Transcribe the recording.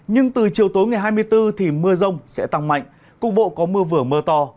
nhưng từ chiều tối ngày hai mươi bốn thì mưa rông sẽ tăng mạnh cục bộ có mưa vừa mưa to